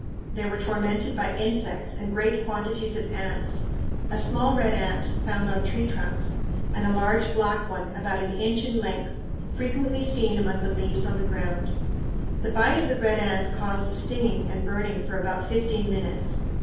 They were tormented by insects and great quantities of ants a small red ant found on tree trunks, and a large black one, about an inch in length, frequently seen among the leaves on the ground. The bite of the red ant caused a stinging and burning for about fifteen minutes.